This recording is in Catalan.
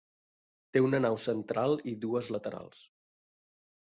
Té una nau central i dues laterals.